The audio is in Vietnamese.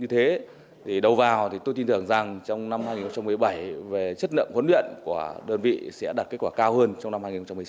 thế thì đầu vào thì tôi tin tưởng rằng trong năm hai nghìn một mươi bảy về chất lượng huấn luyện của đơn vị sẽ đạt kết quả cao hơn trong năm hai nghìn một mươi sáu